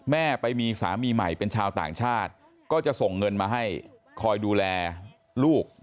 แม่ไปมีสามีใหม่เป็นชาวต่างชาติก็จะส่งเงินมาให้คอยดูแลลูก